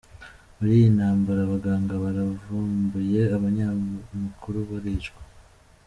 Muri iyi ntambara, abaganga baravumbuye, abanyamakuru baricwa.